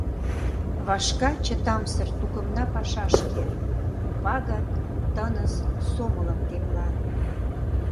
Вашка чытамсыр тукымна пашашке, У пагыт тыныс сомылым темла.